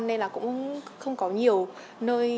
nên là cũng không có nhiều nơi